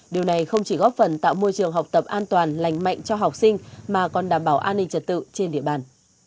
điều này không chỉ góp phần tạo môi trường học tập an toàn lành mạnh cho học sinh mà còn đảm bảo an ninh trật tự trên địa bàn